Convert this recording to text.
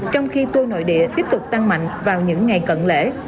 trong khi tour nội địa tiếp tục tăng mạnh vào những ngày cận lễ